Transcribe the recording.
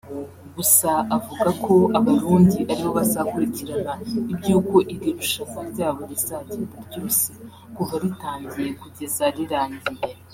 Gusa avuga ko Abarundi ari bo bazakurikirana iby’uko iri rushanwa ryabo rizagenda ryose kuva ritangiye kugeza rirangiye